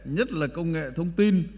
nhất là công nghệ thông tin